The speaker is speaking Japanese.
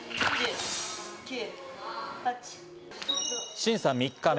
審査３日目。